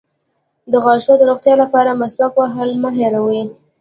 د غاښونو د روغتیا لپاره مسواک وهل مه هیروئ